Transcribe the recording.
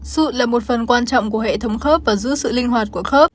sự là một phần quan trọng của hệ thống khớp và giữ sự linh hoạt của khớp